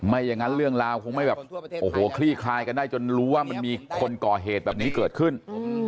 อย่างนั้นเรื่องราวคงไม่แบบโอ้โหคลี่คลายกันได้จนรู้ว่ามันมีคนก่อเหตุแบบนี้เกิดขึ้น